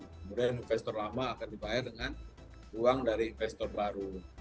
kemudian investor lama akan dibayar dengan uang dari investor baru